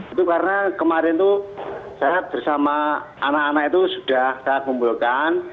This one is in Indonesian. itu karena kemarin itu saya bersama anak anak itu sudah saya kumpulkan